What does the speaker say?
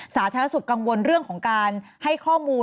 สาธารณสุขกังวลเรื่องของการให้ข้อมูล